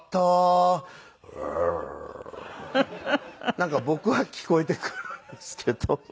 なんか僕は聞こえてくるんですけど。